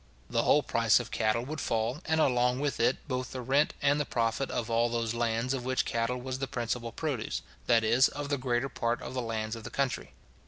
The whole price of cattle would fall, and along with it both the rent and the profit of all those lands of which cattle was the principal produce, that is, of the greater part of the lands of the country.